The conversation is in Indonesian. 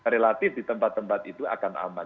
relatif di tempat tempat itu akan aman